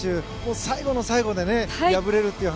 最後の最後で敗れるという。